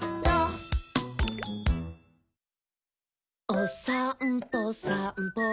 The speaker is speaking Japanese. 「おさんぽさんぽ」